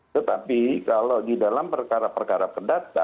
tetapi kalau di dalam perkara perkara perdata